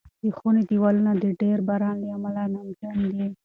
د خونې دېوالونه د ډېر باران له امله نمجن دي.